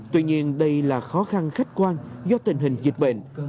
tuy nhiên đây là khó khăn khách quan do tình hình dịch bệnh